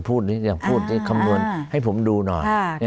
พูดนี้คำนวนให้ผมดูหน่อย